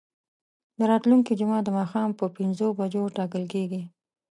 دا راتلونکې جمعه د ماښام په پنځو بجو ټاکل کیږي.